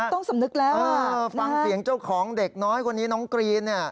ต้องสำนึกแล้วฟังเสียงเจ้าของเด็กน้อยคนนี้น้องกรีนเนี่ย